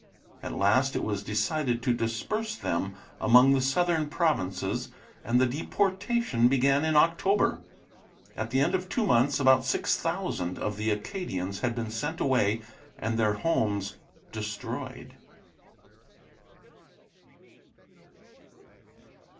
At last it was decided to disperse them among the southern provinces, and the deportation began in October. At the end of two months, about six thousand of the Acadians had been sent away, and their homes destroyed.